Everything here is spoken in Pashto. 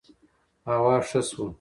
هوا ښه شوه